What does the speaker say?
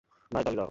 ভাই, তালি দাও!